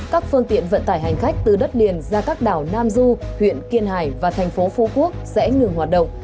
các phương tiện vận tải hành khách từ đất liền ra các đảo nam du huyện kiên hải và thành phố phú quốc sẽ ngừng hoạt động